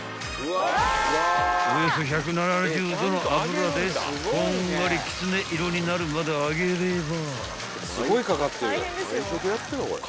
［およそ１７０℃の油でこんがりきつね色になるまで揚げれば］